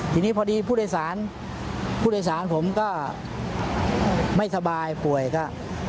ทีนี้พอดีผู้โดยสารผู้โดยสารผมก็ไม่สบายป่วยก็